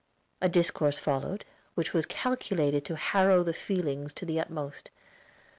A discourse followed, which was calculated to harrow the feelings to the utmost.